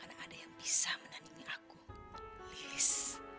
karena ada yang bisa menandingi aku lilis